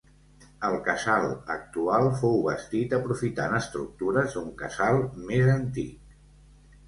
El casal actual fou bastit aprofitant estructures d'un casal més antic.